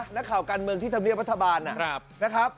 นะข่าวการเมืองที่ทำเรียบรรษฐบาล